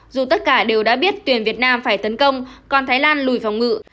dù tất cả đều đã biết tuyển việt nam phải tấn công còn thái lan lùi phòng ngự